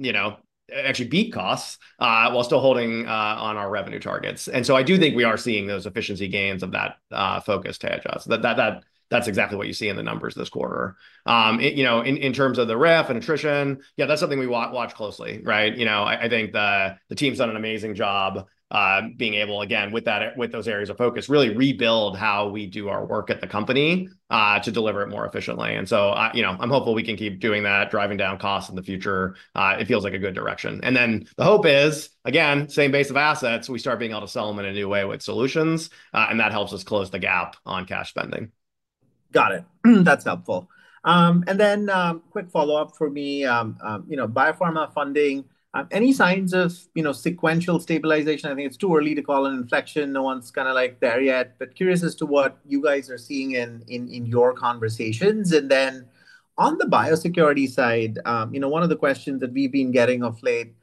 actually beat costs while still holding on our revenue targets. And so I do think we are seeing those efficiency gains of that focus, Tejas. That's exactly what you see in the numbers this quarter. In terms of the RIF and attrition, yeah, that's something we watch closely, right? I think the team's done an amazing job being able, again, with those areas of focus, really rebuild how we do our work at the company to deliver it more efficiently. And so I'm hopeful we can keep doing that, driving down costs in the future. It feels like a good direction. And then the hope is, again, same base of assets, we start being able to sell them in a new way with solutions, and that helps us close the gap on cash spending. Got it. That's helpful. And then quick follow-up for me, biopharma funding, any signs of sequential stabilization? I think it's too early to call an inflection. No one's kind of there yet. But curious as to what you guys are seeing in your conversations. And then on the biosecurity side, one of the questions that we've been getting of late,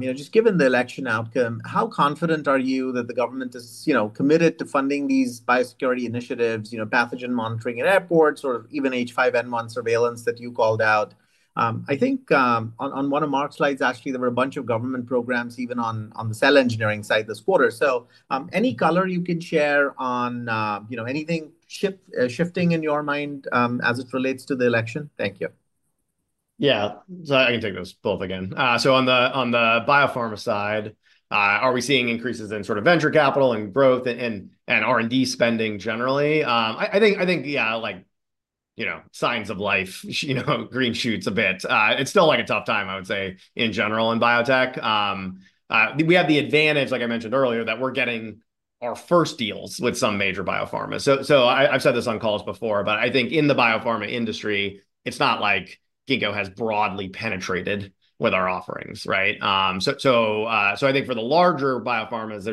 just given the election outcome, how confident are you that the government is committed to funding these biosecurity initiatives, pathogen monitoring at airports, or even H5N1 surveillance that you called out? I think on one of Mark's slides, actually, there were a bunch of government programs even on the cell engineering side this quarter. So any color you can share on anything shifting in your mind as it relates to the election? Thank you. Yeah. So I can take those both again. So on the biopharma side, are we seeing increases in sort of venture capital and growth and R&D spending generally? I think, yeah, signs of life, green shoots a bit. It's still a tough time, I would say, in general in biotech. We have the advantage, like I mentioned earlier, that we're getting our first deals with some major biopharma. So I've said this on calls before, but I think in the biopharma industry, it's not like Ginkgo has broadly penetrated with our offerings, right? So I think for the larger biopharmas,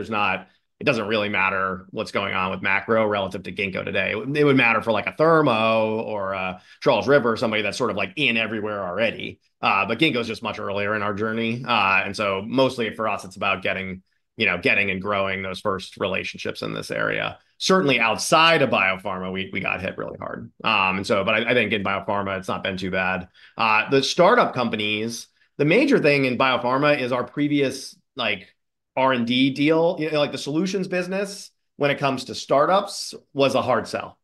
it doesn't really matter what's going on with macro relative to Ginkgo today. It would matter for a Thermo or a Charles River or somebody that's sort of in everywhere already. But Ginkgo is just much earlier in our journey. And so mostly for us, it's about getting and growing those first relationships in this area. Certainly, outside of biopharma, we got hit really hard. But I think in biopharma, it's not been too bad. The startup companies, the major thing in biopharma is our previous R&D deal. The solutions business, when it comes to startups, was a hard sell,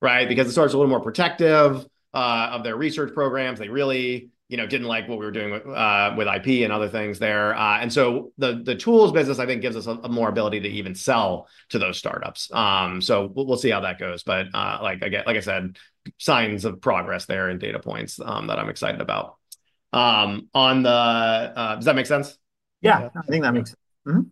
right? Because the startups are a little more protective of their research programs. They really didn't like what we were doing with IP and other things there. And so the tools business, I think, gives us more ability to even sell to those startups. So we'll see how that goes. But like I said, signs of progress there in Data Points that I'm excited about. Does that make sense? Yeah. I think that makes sense. Then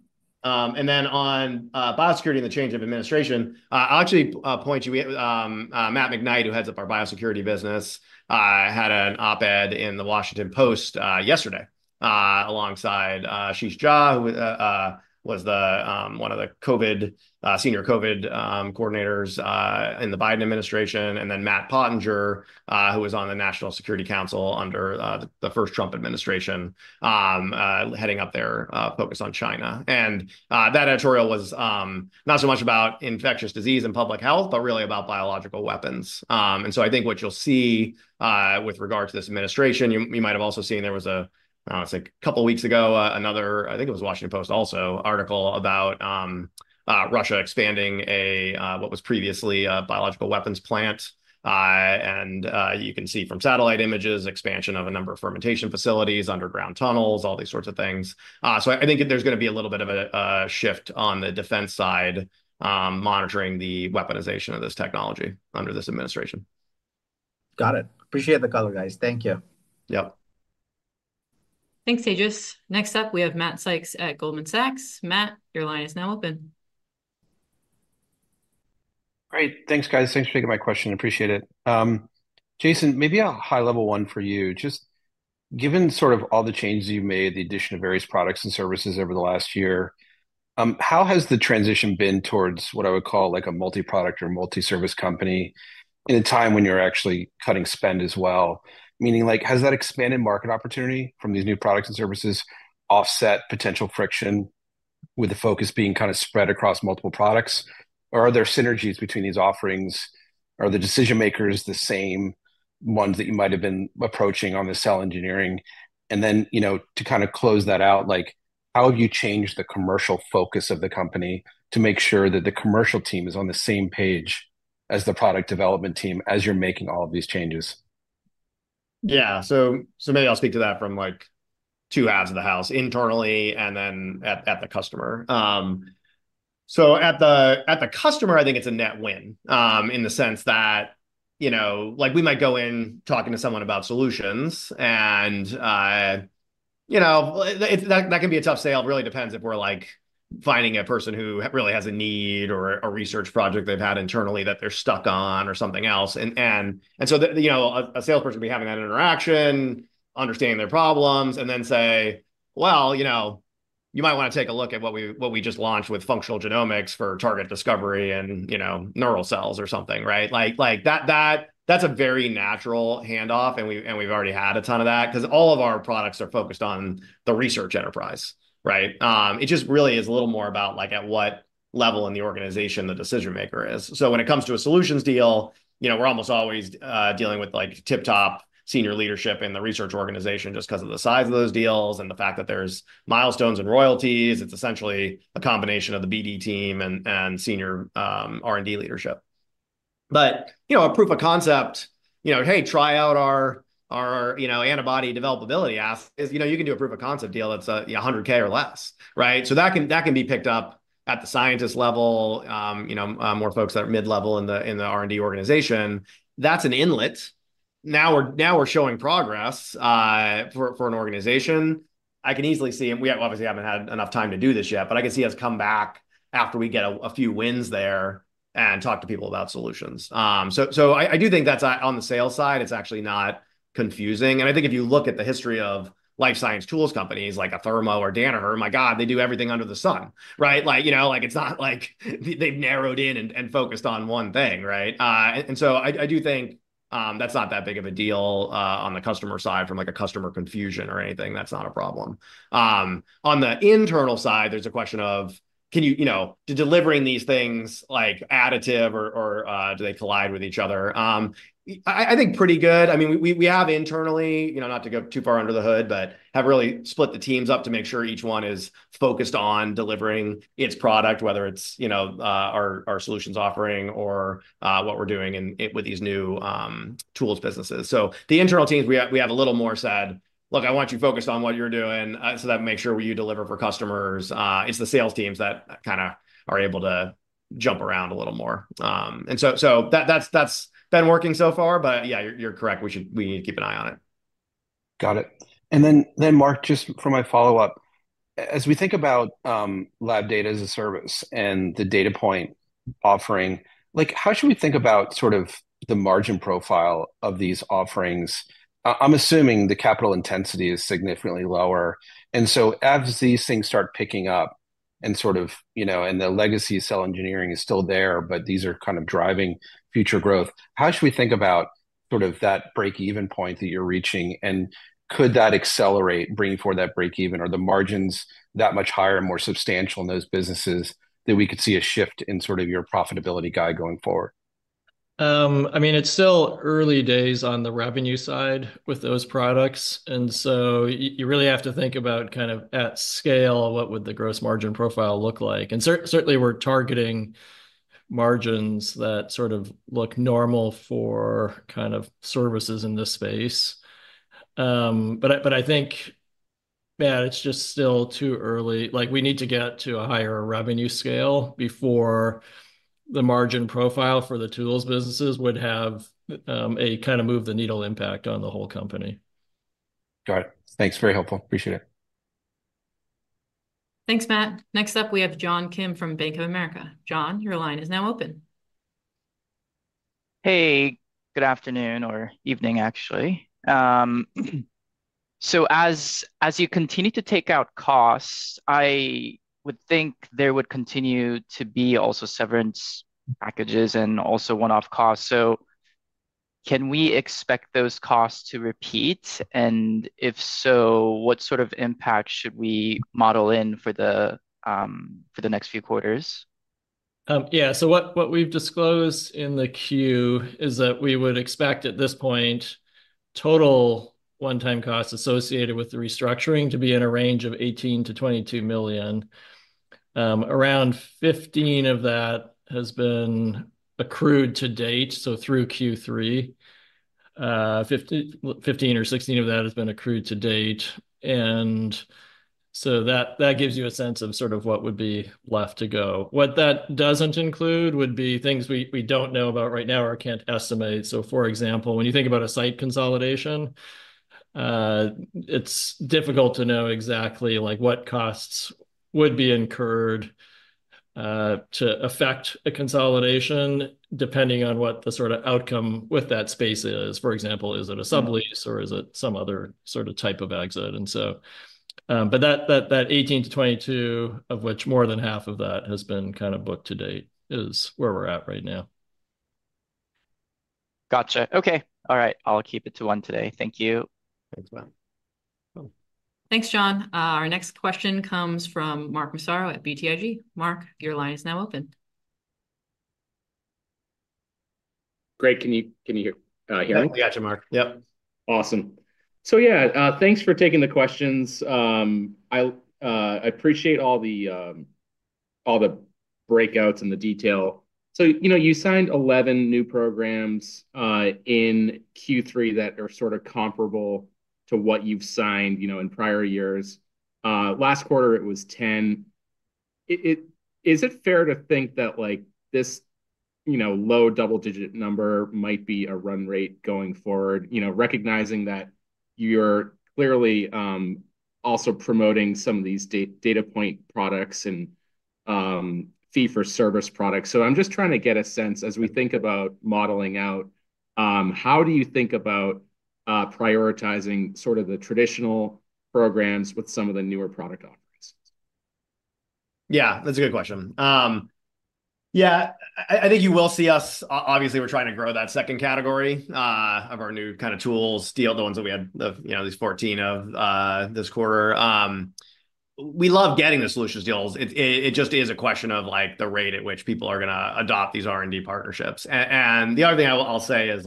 on biosecurity and the change of administration, I'll actually point you to Matt McKnight, who heads up our biosecurity business, had an op-ed in The Washington Post yesterday alongside Ashish Jha, who was one of the senior COVID coordinators in the Biden administration, and then Matt Pottinger, who was on the National Security Council under the first Trump administration, heading up their focus on China. And that editorial was not so much about infectious disease and public health, but really about biological weapons. And so I think what you'll see with regard to this administration, you might have also seen there was a, I don't want to say, a couple of weeks ago, another, I think it was Washington Post also, article about Russia expanding what was previously a biological weapons plant. And you can see from satellite images expansion of a number of fermentation facilities, underground tunnels, all these sorts of things. So I think there's going to be a little bit of a shift on the defense side monitoring the weaponization of this technology under this administration. Got it. Appreciate the color, guys. Thank you. Yep. Thanks, Tejas. Next up, we have Matt Sykes at Goldman Sachs. Matt, your line is now open. Great. Thanks, guys. Thanks for taking my question. Appreciate it. Jason, maybe a high-level one for you. Just given sort of all the changes you've made, the addition of various products and services over the last year, how has the transition been towards what I would call a multi-product or multi-service company in a time when you're actually cutting spend as well? Meaning, has that expanded market opportunity from these new products and services offset potential friction with the focus being kind of spread across multiple products? Or are there synergies between these offerings? Are the decision-makers the same ones that you might have been approaching on the cell engineering? And then to kind of close that out, how have you changed the commercial focus of the company to make sure that the commercial team is on the same page as the product development team as you're making all of these changes? Yeah. So maybe I'll speak to that from two halves of the house, internally and then at the customer. So at the customer, I think it's a net win in the sense that we might go in talking to someone about solutions, and that can be a tough sale. It really depends if we're finding a person who really has a need or a research project they've had internally that they're stuck on or something else, and so a salesperson would be having that interaction, understanding their problems, and then say, "Well, you might want to take a look at what we just launched with functional genomics for target discovery and neural cells or something," right? That's a very natural handoff, and we've already had a ton of that because all of our products are focused on the research enterprise, right? It just really is a little more about at what level in the organization the decision-maker is, so when it comes to a solutions deal, we're almost always dealing with tip-top senior leadership in the research organization just because of the size of those deals and the fact that there's milestones and royalties. It's essentially a combination of the BD team and senior R&D leadership. But a proof of concept, "Hey, try out our antibody developability app," is you can do a proof of concept deal that's $100K or less, right? So that can be picked up at the scientist level, more folks that are mid-level in the R&D organization. That's an inlet. Now we're showing progress for an organization. I can easily see. We obviously haven't had enough time to do this yet. But I can see us come back after we get a few wins there and talk to people about solutions. So I do think that's on the sales side. It's actually not confusing. And I think if you look at the history of life science tools companies like a Thermo or Danaher, my God, they do everything under the sun, right? It's not like they've narrowed in and focused on one thing, right? And so I do think that's not that big of a deal on the customer side from a customer confusion or anything. That's not a problem. On the internal side, there's a question of to delivering these things additive or do they collide with each other? I think pretty good. I mean, we have internally, not to go too far under the hood, but have really split the teams up to make sure each one is focused on delivering its product, whether it's our solutions offering or what we're doing with these new tools businesses. So the internal teams, we have a little more said, "Look, I want you focused on what you're doing so that we make sure you deliver for customers." It's the sales teams that kind of are able to jump around a little more. And so that's been working so far. But yeah, you're correct. We need to keep an eye on it. Got it. And then, Mark, just for my follow-up, as we think about lab data as a service and the data point offering, how should we think about sort of the margin profile of these offerings? I'm assuming the capital intensity is significantly lower. And so as these things start picking up and sort of, and the legacy cell engineering is still there, but these are kind of driving future growth, how should we think about sort of that break-even point that you're reaching? And could that accelerate, bring forth that break-even or the margins that much higher and more substantial in those businesses that we could see a shift in sort of your profitability guide going forward? I mean, it's still early days on the revenue side with those products. So you really have to think about kind of at scale, what would the gross margin profile look like? Certainly, we're targeting margins that sort of look normal for kind of services in this space. I think, man, it's just still too early. We need to get to a higher revenue scale before the margin profile for the tools businesses would have a kind of move-the-needle impact on the whole company. Got it .Thanks. Very helpful. Appreciate it. Thanks, Matt. Next up, we have John Kim from Bank of America. John, your line is now open. Hey. Good afternoon or evening, actually. As you continue to take out costs, I would think there would continue to be also severance packages and also one-off costs. Can we expect those costs to repeat? If so, what sort of impact should we model in for the next few quarters? Yeah. What we've disclosed in the Q is that we would expect at this point total one-time costs associated with the restructuring to be in a range of $18 million-$22 million. Around $15 million of that has been accrued to date, so through Q3. $15 million or $16 million of that has been accrued to date. That gives you a sense of sort of what would be left to go. What that doesn't include would be things we don't know about right now or can't estimate. For example, when you think about a site consolidation, it's difficult to know exactly what costs would be incurred to affect a consolidation depending on what the sort of outcome with that space is. For example, is it a sublease or is it some other sort of type of exit? And so, but that 18 to 22, of which more than half of that has been kind of booked to date, is where we're at right now. Gotcha. Okay. All right. I'll keep it to one today. Thank you. Thanks, Matt. Thanks, John. Our next question comes from Mark Massaro at BTIG. Mark, your line is now open. Great. Can you hear me? I got you, Mark. Yep. Awesome. So yeah, thanks for taking the questions. I appreciate all the breakouts and the detail. So you signed 11 new programs in Q3 that are sort of comparable to what you've signed in prior years. Last quarter, it was 10. Is it fair to think that this low double-digit number might be a run rate going forward, recognizing that you're clearly also promoting some of these data point products and fee-for-service products? So I'm just trying to get a sense as we think about modeling out, how do you think about prioritizing sort of the traditional programs with some of the newer product offerings? Yeah. That's a good question. Yeah. I think you will see us, obviously, we're trying to grow that second category of our new kind of tools deal, the ones that we had, these 14 of this quarter. We love getting the solutions deals. It just is a question of the rate at which people are going to adopt these R&D partnerships. And the other thing I'll say is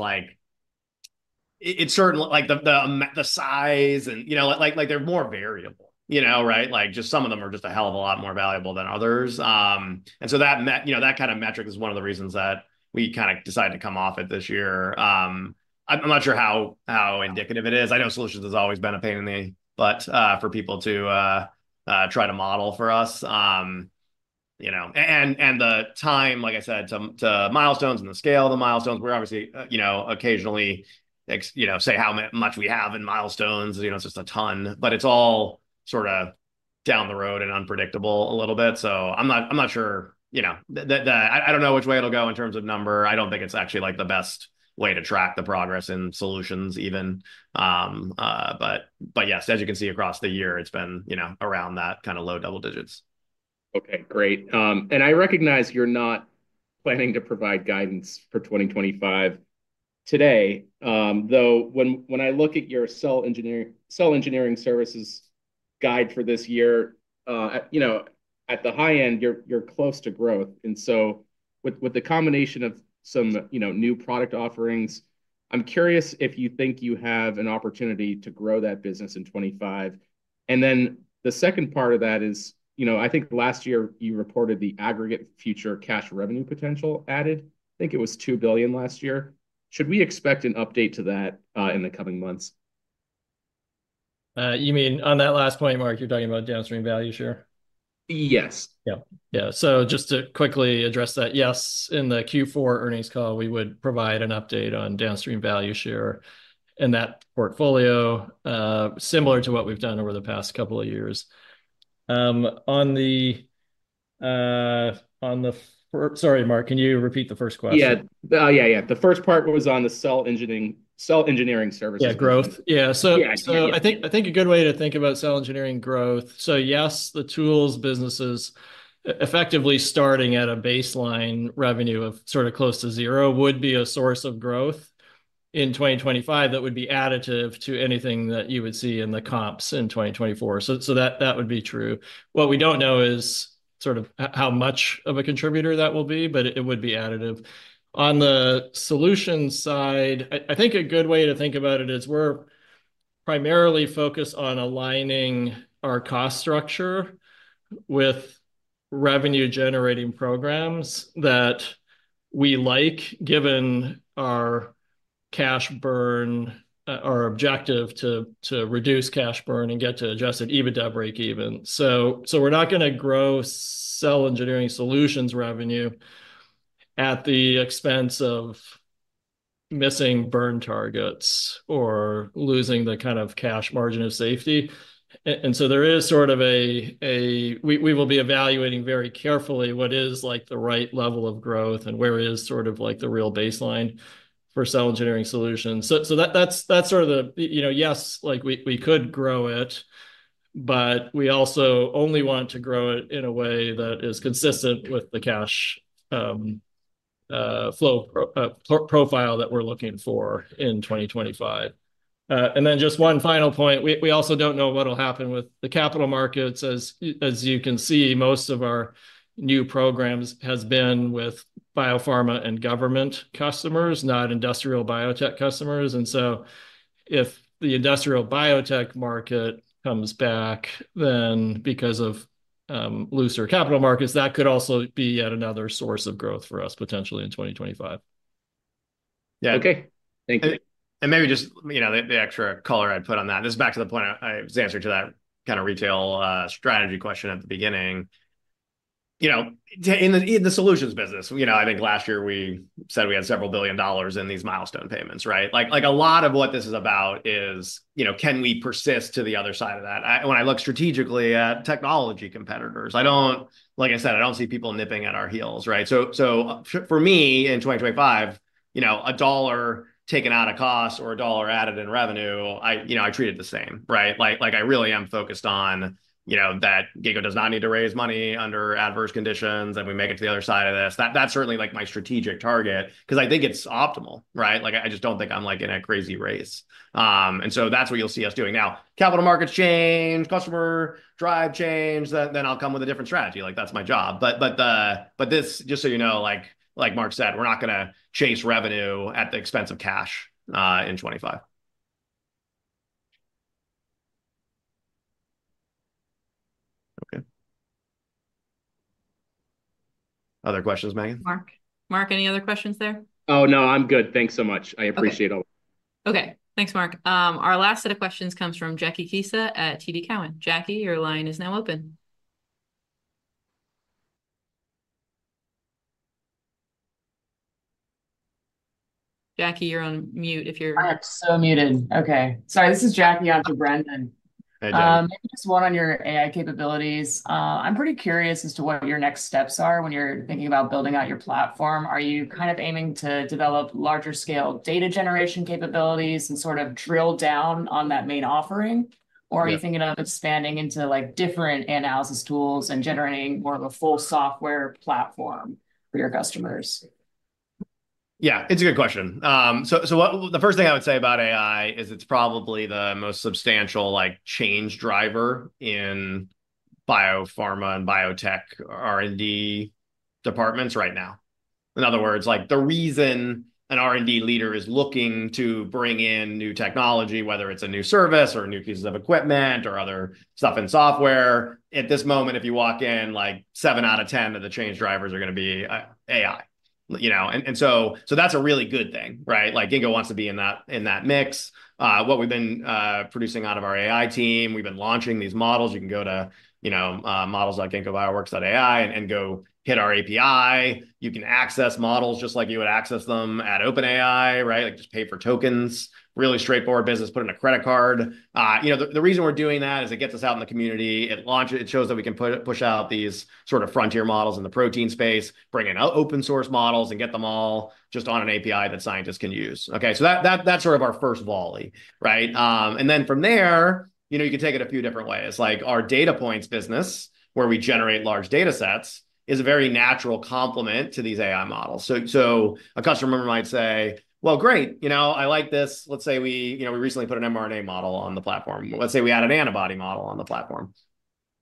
the size and they're more variable, right? Just some of them are just a hell of a lot more valuable than others, and so that kind of metric is one of the reasons that we kind of decided to come off it this year. I'm not sure how indicative it is. I know solutions has always been a pain in the butt for people to try to model for us, and the time, like I said, to milestones and the scale of the milestones, we're obviously occasionally say how much we have in milestones. It's just a ton. But it's all sort of down the road and unpredictable a little bit, so I'm not sure. I don't know which way it'll go in terms of number. I don't think it's actually the best way to track the progress in solutions even. But yes, as you can see across the year, it's been around that kind of low double digits. Okay. Great. And I recognize you're not planning to provide guidance for 2025 today, though when I look at your cell engineering services guide for this year, at the high end, you're close to growth. And so with the combination of some new product offerings, I'm curious if you think you have an opportunity to grow that business in '25. And then the second part of that is, I think last year you reported the aggregate future cash revenue potential added. I think it was $2 billion last year. Should we expect an update to that in the coming months? You mean on that last point, Mark, you're talking about Downstream Value Share? Yes. Yeah. Yeah.So just to quickly address that, yes, in the Q4 earnings call, we would provide an update on downstream value share in that portfolio, similar to what we've done over the past couple of years. On the, sorry, Mark, can you repeat the first question? Yeah. Oh, yeah, yeah. The first part was on the cell engineering services. Yeah, growth. Yeah. So I think a good way to think about cell engineering growth, so yes, the tools businesses effectively starting at a baseline revenue of sort of close to zero would be a source of growth in 2025 that would be additive to anything that you would see in the comps in 2024. So that would be true. What we don't know is sort of how much of a contributor that will be, but it would be additive. On the solutions side, I think a good way to think about it is we're primarily focused on aligning our cost structure with revenue-generating programs that we like given our cash burn, our objective to reduce cash burn and get to Adjusted EBITDA break-even. So we're not going to grow cell engineering solutions revenue at the expense of missing burn targets or losing the kind of Cash Margin of Safety. And so there is sort of a, we will be evaluating very carefully what is the right level of growth and where is sort of the real baseline for cell engineering solutions. So that's sort of the, yes, we could grow it, but we also only want to grow it in a way that is consistent with the cash flow profile that we're looking for in 2025. And then just one final point. We also don't know what will happen with the capital markets. As you can see, most of our new programs have been with biopharma and government customers, not industrial biotech customers. And so if the industrial biotech market comes back, then because of looser capital markets, that could also be yet another source of growth for us potentially in 2025. Yeah. Okay. Thank you. And maybe just the extra color I'd put on that. This is back to the point I was answering to that kind of retail strategy question at the beginning.In the solutions business, I think last year we said we had several billion dollars in these milestone payments, right? A lot of what this is about is, can we persist to the other side of that? When I look strategically at technology competitors, like I said, I don't see people nipping at our heels, right? So for me, in 2025, a dollar taken out of cost or a dollar added in revenue, I treat it the same, right? I really am focused on that Ginkgo does not need to raise money under adverse conditions, and we make it to the other side of this. That's certainly my strategic target because I think it's optimal, right? I just don't think I'm in a crazy race. And so that's what you'll see us doing. Now, capital markets change, customer demand change, then I'll come with a different strategy. That's my job. But this, just so you know, like Mark said, we're not going to chase revenue at the expense of cash in '25. Okay. Other questions, Megan? Mark, any other questions there? Oh, no. I'm good. Thanks so much. I appreciate all the. Okay. Thanks, Mark. Our last set of questions comes from Jackie Keshner at TD Cowen. Jackie, your line is now open. Jackie, you're on mute if you're— I'm still muted. Okay. Sorry. This is Jackie out of Boston. Hey, Jackie. Just one on your AI capabilities. I'm pretty curious as to what your next steps are when you're thinking about building out your platform. Are you kind of aiming to develop larger-scale data generation capabilities and sort of drill down on that main offering? Or are you thinking of expanding into different analysis tools and generating more of a full software platform for your customers? Yeah. It's a good question. So the first thing I would say about AI is it's probably the most substantial change driver in biopharma and biotech R&D departments right now. In other words, the reason an R&D leader is looking to bring in new technology, whether it's a new service or new pieces of equipment or other stuff in software, at this moment, if you walk in, seven out of 10 of the change drivers are going to be AI, and so that's a really good thing, right? Ginkgo wants to be in that mix. What we've been producing out of our AI team, we've been launching these models. You can go to models like ginkgobioworks.ai and go hit our API. You can access models just like you would access them at OpenAI, right? Just pay for tokens, really straightforward business, put in a credit card. The reason we're doing that is it gets us out in the community. It shows that we can push out these sort of frontier models in the protein space, bring in open-source models, and get them all just on an API that scientists can use. Okay? So that's sort of our first volley, right? And then from there, you can take it a few different ways. Our Data Points business, where we generate large data sets, is a very natural complement to these AI models. So a customer member might say, "Well, great. I like this." Let's say we recently put an mRNA model on the platform. Let's say we add an antibody model on the platform.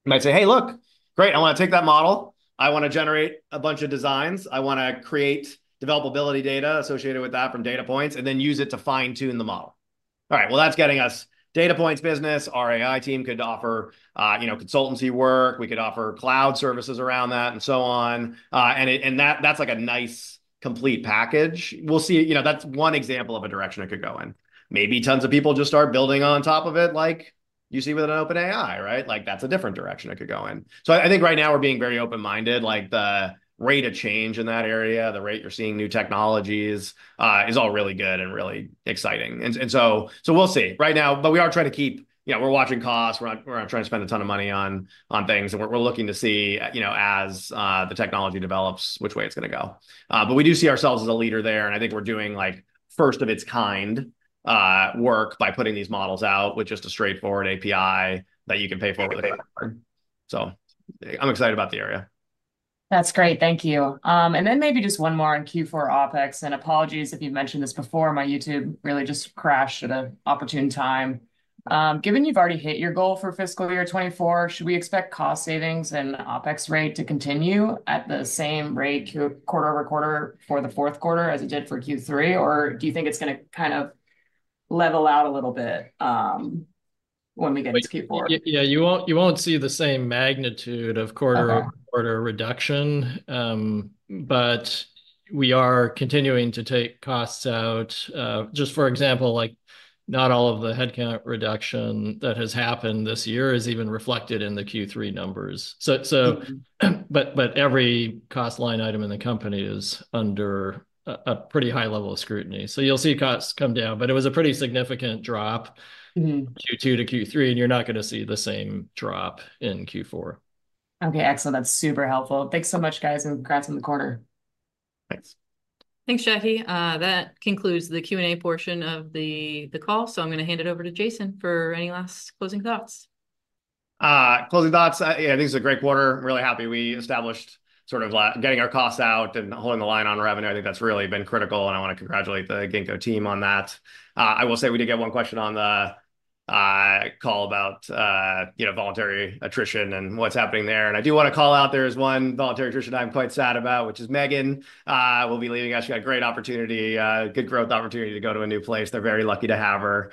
You might say, "Hey, look, great. I want to take that model. I want to generate a bunch of designs. I want to create developability data associated with that from Data Points and then use it to fine-tune the model." All right. That's getting us Data Points business. Our AI team could offer consultancy work. We could offer cloud services around that and so on. That's a nice complete package. We'll see. That's one example of a direction it could go in. Maybe tons of people just start building on top of it like you see with OpenAI, right? That's a different direction it could go in. I think right now we're being very open-minded. The rate of change in that area, the rate you're seeing new technologies is all really good and really exciting. We'll see right now. We are trying to keep—we're watching costs. We're not trying to spend a ton of money on things. We're looking to see, as the technology develops, which way it's going to go. We do see ourselves as a leader there. I think we're doing first-of-its-kind work by putting these models out with just a straightforward API that you can pay for with a credit card. I'm excited about the area. That's great. Thank you. Maybe just one more on Q4 OpEx. Apologies if you've mentioned this before. My YouTube really just crashed at an opportune time. Given you've already hit your goal for fiscal year 2024, should we expect cost savings and OpEx rate to continue at the same rate quarter over quarter for the fourth quarter as it did for Q3? Or do you think it's going to kind of level out a little bit when we get to Q4? Yeah. You won't see the same magnitude of quarter-over-quarter reduction. We are continuing to take costs out. Just for example, not all of the headcount reduction that has happened this year is even reflected in the Q3 numbers. But every cost line item in the company is under a pretty high level of scrutiny. So you'll see costs come down. But it was a pretty significant drop from Q2 to Q3, and you're not going to see the same drop in Q4. Okay. Excellent. That's super helpful. Thanks so much, guys, and congrats on the quarter. Thanks. Thanks, Jackie. That concludes the Q&A portion of the call. So I'm going to hand it over to Jason for any last closing thoughts. Closing thoughts. Yeah. I think it's a great quarter. I'm really happy we established sort of getting our costs out and holding the line on revenue. I think that's really been critical, and I want to congratulate the Ginkgo team on that. I will say we did get one question on the call about voluntary attrition and what's happening there. And I do want to call out there is one voluntary attrition I'm quite sad about, which is Megan. She'll be leaving you guys. She got a great opportunity, good growth opportunity to go to a new place. They're very lucky to have her.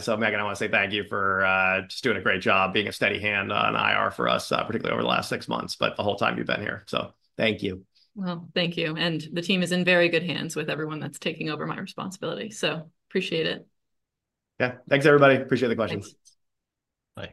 So Megan, I want to say thank you for just doing a great job, being a steady hand on IR for us, particularly over the last six months, but the whole time you've been here. So thank you. Well, thank you. And the team is in very good hands with everyone that's taking over my responsibility. So appreciate it. Yeah. Thanks, everybody. Appreciate the questions. Thanks. Bye.